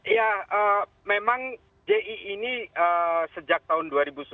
iya memang ji ini sejak tahun dua ribu sembilan